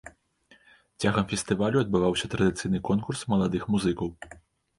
Цягам фестывалю адбываўся традыцыйны конкурс маладых музыкаў.